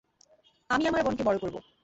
আমি আমার বোনকে বড় করবো।